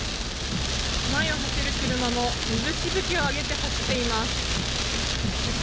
前を走る車も水しぶきを上げて走っています。